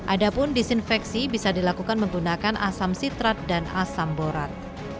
adapun disinfeksi bisa dilakukan menggunakan asam sitrat dan asam borat